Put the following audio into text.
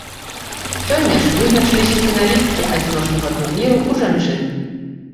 Сёння ж вызначыліся фіналісткі адзіночнага турніру ў жанчын.